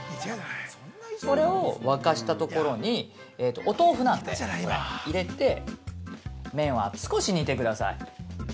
◆これを、沸かしたところにお豆腐なんで、これ、入れて麺は少し煮てください。